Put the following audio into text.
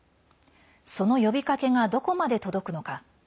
その呼びかけがどこまで届くのか。